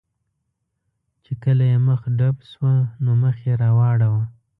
چې کله یې مخه ډب شوه، نو مخ یې را واړاوه.